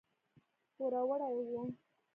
پوروړي وو.